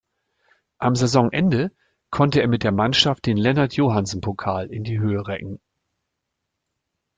Am Saisonende konnte er mit der Mannschaft den Lennart-Johansson-Pokal in die Höhe recken.